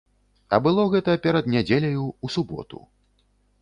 А было гэта перад нядзеляю, у суботу.